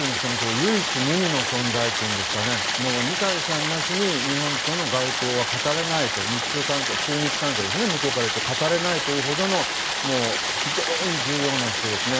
唯一無二の存在といいますか二階さんなしに日本との外交は語れないと日中関係、中日関係は語れないというほどの非常に重要な人ですね。